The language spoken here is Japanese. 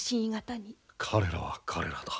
彼らは彼らだ。